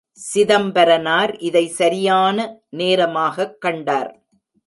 சிதம்பரனார் இதை சரியான நேரமாகக் கண்டார்.